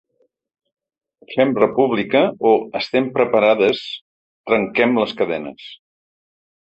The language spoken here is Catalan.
Fem República’ o ‘Estem preparades, trenquem les cadenes’.